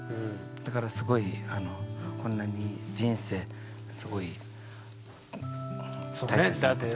だからすごいこんなに人生すごい大切なこと。